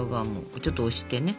ちょっと押してね。